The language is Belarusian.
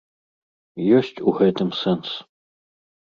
Ёсць у гэтым сэнс.